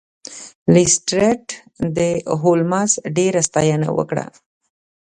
لیسټرډ د هولمز ډیره ستاینه وکړه.